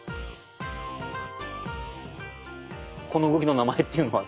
この動きの名前っていうのは？